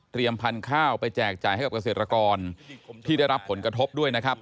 เตรียมพันธุ์ข้าวไปแจกจ่ายให้กับเกษตรรากรที่ได้รับผลกระทบด้วย